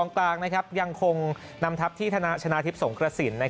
กลางนะครับยังคงนำทับที่ทนาชนะทิพย์สงกระสินต์